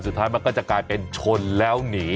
สุดท้ายมันก็จะกลายเป็นชนแล้วหนี